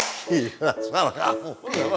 gila suara kamu